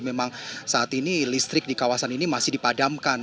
memang saat ini listrik di kawasan ini masih dipadamkan